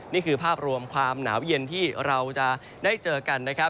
นี่คือภาพรวมความหนาวเย็นที่เราจะได้เจอกันนะครับ